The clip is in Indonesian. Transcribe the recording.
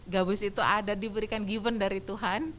gabus itu ada diberikan given dari tuhan